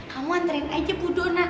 kamu anterin aja budona